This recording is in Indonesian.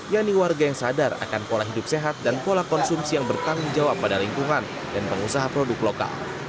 yakni warga yang sadar akan pola hidup sehat dan pola konsumsi yang bertanggung jawab pada lingkungan dan pengusaha produk lokal